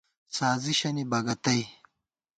سازِشَنی بکَتَئ